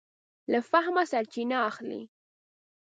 له فهمه سرچینه اخلي.